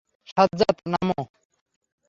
সাজ্জাদ, নামো।